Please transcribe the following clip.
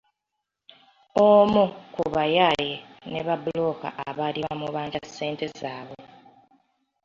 Omu ku bayaaye ne babulooka abaali bamubanja ssente zaabwe.